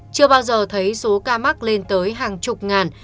chưa bao giờ thấy số ca mắc lên tới hàng chục ngàn